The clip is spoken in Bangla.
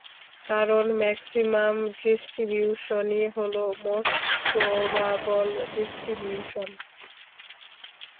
কারণ, ম্যাক্সিমাম ডিস্ট্রিবিউশনই হলো মোস্ট প্রবাবল ডিস্ট্রিবিউশন।